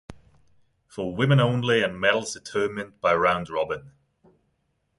For women only and medals determined by round robin.